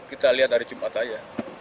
kita lihat dari jumpa saja